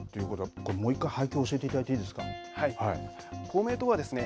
これもう１回背景、教えていただいて公明党はですね